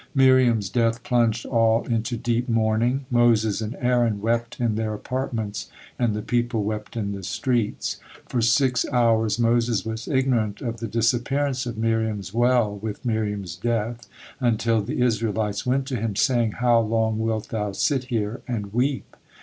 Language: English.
Miriam's death plunged all into deep mourning, Moses and Aaron wept in their apartments and the people wept in the streets. For six hours Moses was ignorant of the disappearance of Miriam's well with Miriam's death, until the Israelites went to him, saying, "How long wilt thou sit here and weep?"